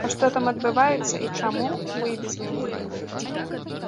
А што там адбываецца і чаму, вы і без мяне ведаеце.